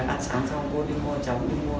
ăn sáng xong cô đi mua cháu cũng đi mua